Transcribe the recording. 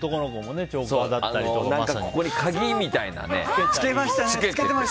首に鍵みたいなね。